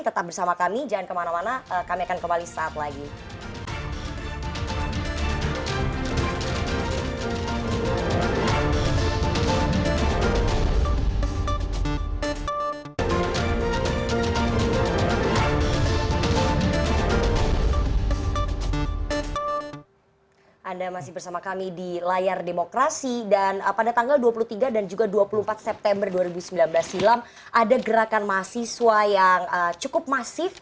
tetap bersama kami jangan kemana mana kami akan kembali setelah lagi